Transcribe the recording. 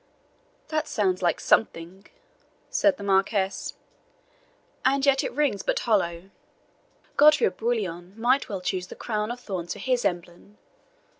"That sounds like something," said the Marquis, "and yet it rings but hollow. Godfrey of Bouillon might well choose the crown of thorns for his emblem.